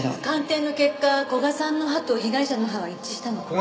鑑定の結果古賀さんの歯と被害者の歯は一致したの。